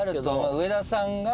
上田さんは。